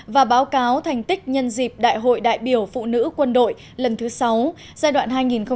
và báo cáo thành tích nhân dịp đại hội đại biểu phụ nữ quân đội lần thứ sáu giai đoạn hai nghìn một mươi chín hai nghìn hai mươi